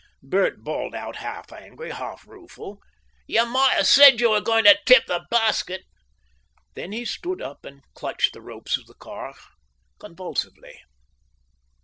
Bert bawled out half angry, half rueful, "You might have said you were going to tip the basket." Then he stood up and clutched the ropes of the car convulsively.